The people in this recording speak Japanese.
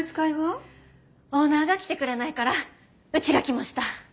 オーナーが来てくれないからうちが来ました。